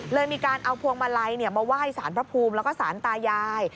มีการเอาพวงมาลัยมาไหว้สารพระภูมิแล้วก็สารตายาย